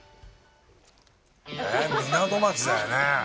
えっ、港町だよね？